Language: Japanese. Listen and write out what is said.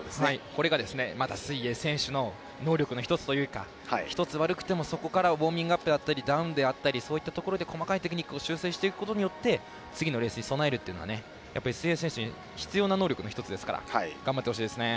これが、また水泳選手の能力の一つというか一つ、悪くても、そこからウォーミングアップであったりダウンであったりそういったところで細かいテクニックで修正していくことによって次のレースに備えるのは水泳選手に必要な能力の一つですから頑張ってほしいですね。